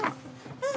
うん。